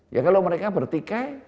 ya kalau mereka bertikai